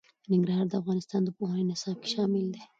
ننګرهار د افغانستان د پوهنې نصاب کې شامل دي.